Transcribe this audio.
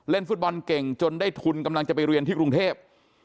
ฟุตบอลเก่งจนได้ทุนกำลังจะไปเรียนที่กรุงเทพ